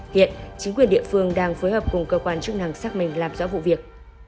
hiện chính quyền địa phương đang phối hợp cùng cơ quan chức năng xác minh làm rõ vụ việc